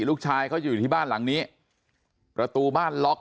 แล้วก็ยัดลงถังสีฟ้าขนาด๒๐๐ลิตร